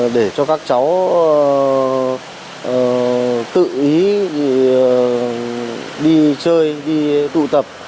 để cho các cháu tự ý đi chơi đi tụ tập